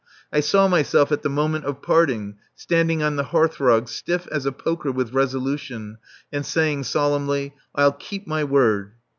I saw myself at the moment of parting, standing on the hearthrug, stiff as a poker with resolution, and saying solemnly, "I'll keep my word!"